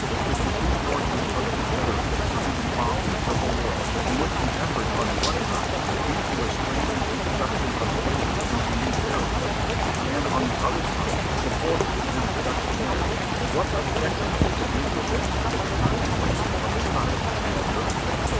If the two portions of the confederacy should be involved in civil war, in which the effort on the one side would be to restrain the introduction of slavery into the new territories, and, on the other side, to force its introduction there, what a spectacle should we present to the contemplation of astonished mankind!